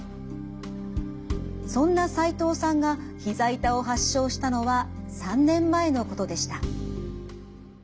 そんな齋藤さんがひざ痛を発症したのは３年前のことでした。